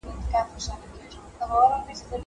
کېدای سي کالي ګنده وي!